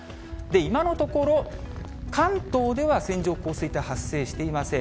今のところ、関東では線状降水帯発生していません。